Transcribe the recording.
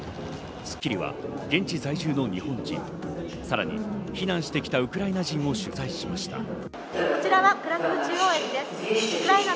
『スッキリ』は現地在住の日本人、さらに避難してきたウクライナ人を取材しました。